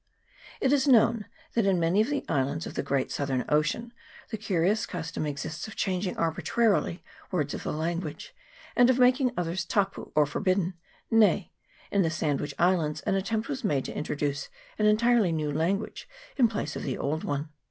It is known that in many of the islands of the Great Southern Ocean the curious custom exists of changing arbitrarily words of the language, and of making others " tapu," or forbidden; nay, in the Sandwich Islands an attempt was made to in troduce an entirely new language in place of the old one.